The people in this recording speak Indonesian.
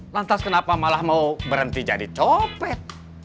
lantas kenapa malah mau berhenti jadi copet